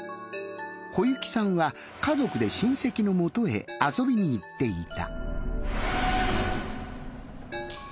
小雪さんは家族で親戚のもとへ遊びに行っていた。